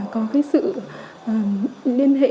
có sự liên hệ